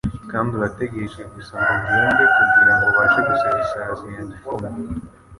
Kandi urategereje gusa ngo ngende kugirango ubashe guseka isazi yanjye ifunguye